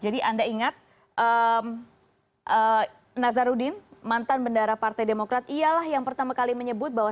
jadi anda ingat nazarudin mantan bendara partai demokrat ialah yang pertama kali menyebut bahwa